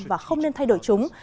và không nên thay đổi chúng